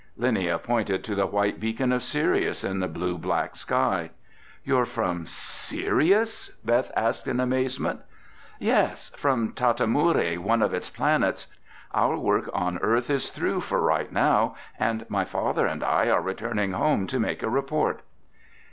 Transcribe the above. Linnia pointed to the white beacon of Sirius in the blue black sky. "You're from Sirius?" Beth asked in amazement. "Yes, from Tata Moori, one of its planets. Our work on earth is through for right now and my father and I are returning home to make a report."